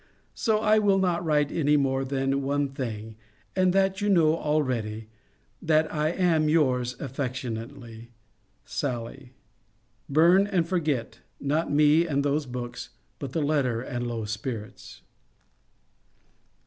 So I will not write any more than one thing, and that you know already, that I am yours affectionately, oallt. Bum, and forget, — not me and those boohs, — but the letter and low spirits.